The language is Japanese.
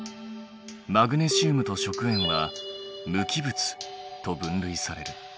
マグネシウムと食塩は無機物と分類される。